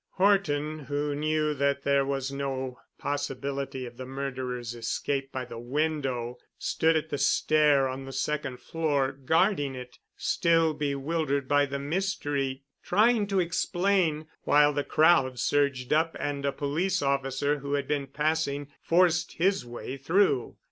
Horton, who knew that there was no possibility of the murderer's escape by the window, stood at the stair on the second floor, guarding it, still bewildered by the mystery, trying to explain while the crowd surged up and a police officer who had been passing, forced his way through.